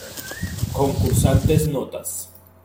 Concursantes Notas